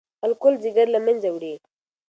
الکول ځیګر له منځه وړي.